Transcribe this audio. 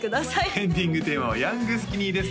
エンディングテーマはヤングスキニーです